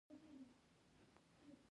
ماشومان باید په پښتو وپالل سي.